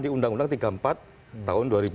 di undang undang tiga puluh empat tahun